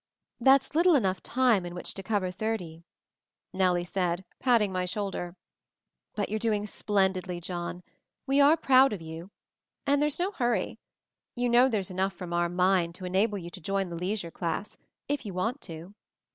"That's little enough time in which to cover thirty," Nellie said, patting my shoulder. "But you're doing splendidly, John. We are proud of you. And there's no hurry. You know there's enough from our mine to enable you to join the leisure class' — if you want to